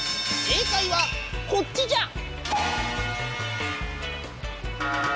正解はこっちじゃん！